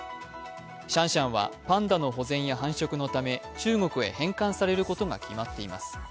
シャンシャンはパンダの保全や繁殖のため中国へ返還されることが決まっています。